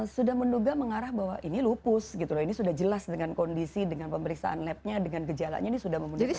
sudah menduga mengarah bahwa ini lupus gitu loh ini sudah jelas dengan kondisi dengan pemeriksaan labnya dengan gejalanya ini sudah memenuhi syarat